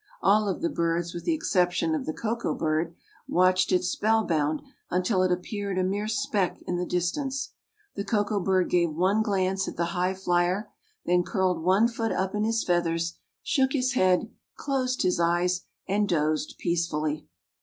All of the birds, with the exception of the Koko bird, watched it spellbound until it appeared a mere speck in the distance. The Koko bird gave one glance at the high flyer, then curled one foot up in his feathers, shook his head, closed his eyes and dozed peacefully.